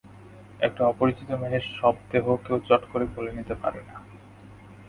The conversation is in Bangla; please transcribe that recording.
একটা অপরিচিত মেয়ের শবদেহ কেউ চট করে কোলে তুলে নিতে পারে না।